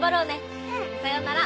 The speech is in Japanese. うん。さようなら。